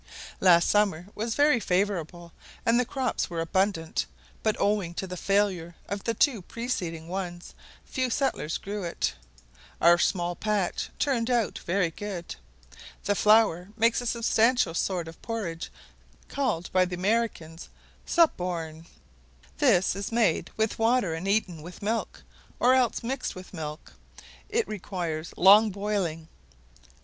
Last summer was very favourable, and the crops were abundant, but owing to the failure of the two preceding ones, fewer settlers grew it. Our small patch turned out very good. The flour makes a substantial sort of porridge, called by the Americans "Supporne;" this is made with water, and eaten with milk, or else mixed with milk; it requires long boiling.